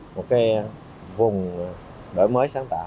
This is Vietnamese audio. một cái vùng đổi mới sáng tạo